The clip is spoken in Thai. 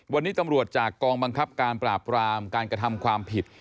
วันนี้ตำรวจจากกองบังคับการปราบรามการกระทำความผิด